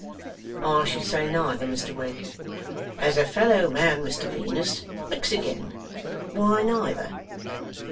'I should say neither, Mr Wegg.' 'As a fellow man, Mr Venus mix again why neither?